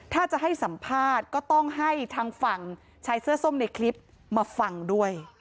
ถ้าจะให้สัมภาษณ์ก็ต้องให้ทางฝั่งชายเสื้อส้มในคลิปมาฟังด้วย